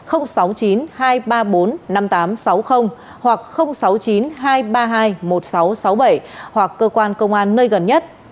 hoặc sáu mươi chín hai trăm ba mươi hai một nghìn sáu trăm sáu mươi bảy hoặc cơ quan công an nơi gần nhất